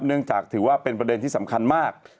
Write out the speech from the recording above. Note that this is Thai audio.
เนื่องจากถือว่าเป็นประเด็นที่สำคัญมาก